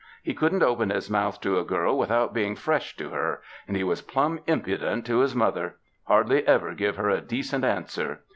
He couldn't open his mouth to a girl without being fresh to her, and he was plum impudent to his mother — hardly ever give her a decent answer.